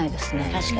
確かに。